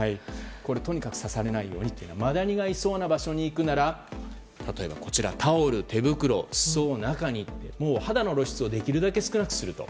とにかく刺されないようにマダニがいそうな場所に行くなら例えばタオル、手袋裾を中に入れて肌の露出を少なくすると。